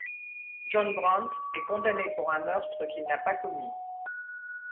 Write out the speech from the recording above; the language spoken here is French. John Brant est condamné pour un meurtre qu'il n'a pas commis.